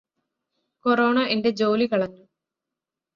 corona എന്റെ ജോലി കളഞ്ഞു